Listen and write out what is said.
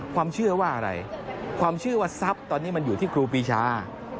ความเชื่อว่าอะไรความเชื่อว่าทรัพย์ตอนนี้มันอยู่ที่ครูปีชา